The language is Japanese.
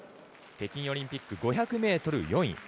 北京オリンピック５００ｍ４位。